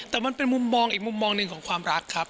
แต่มันเป็นมุมมองอีกมุมมองหนึ่งของความรักครับ